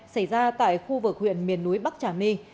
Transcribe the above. xảy ra tại khu vực huyện miền núi bắc trà my